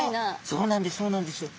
そうなんですそうなんですよ。